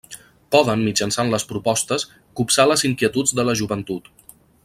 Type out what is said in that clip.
Poden, mitjançant les propostes, copsar les inquietuds de la joventut.